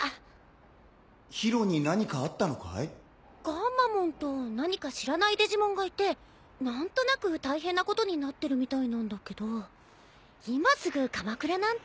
ガンマモンと何か知らないデジモンがいて何となく大変なことになってるみたいなんだけど今すぐ鎌倉なんて。